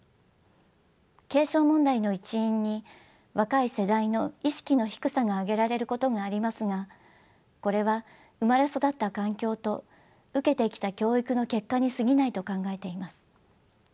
継承問題の一因に若い世代の意識の低さが挙げられることがありますがこれは生まれ育った環境と受けてきた教育の結果にすぎないと考えています。